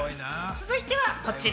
続いてはこちら。